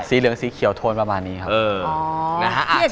เหลืองสีเขียวโทนประมาณนี้ครับ